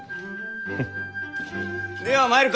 フッでは参るか。